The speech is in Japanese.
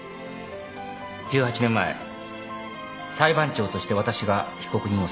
１８年前裁判長として私が被告人を裁きましたから。